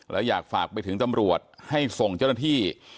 แล้วอยากฝากไปถึงตำรวจให้ส่งเจ้าหน้าที่